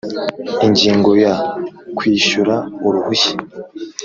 Ingingo ya Kwishyura uruhushya